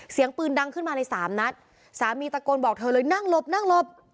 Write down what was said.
เสียงปืนดังขึ้นมาเลยสามนัดสามีตะโกนบอกเธอเลยนั่งหลบนั่งหลบ